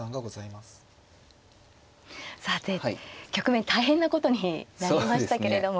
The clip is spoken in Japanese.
さて局面大変なことになりましたけれども。